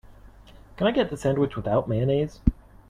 Can I get the sandwich without mayonnaise?